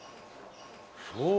そう？